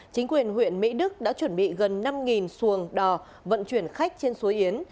chính quyền huyện mỹ đức đã chuẩn bị gần năm xuồng đò vận chuyển khách trên suối yến